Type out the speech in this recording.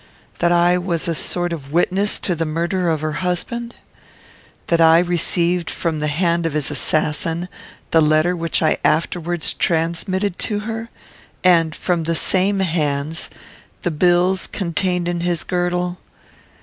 That I was a sort of witness to the murder of her husband? That I received from the hand of his assassin the letter which I afterwards transmitted to her? and, from the same hands, the bills contained in his girdle?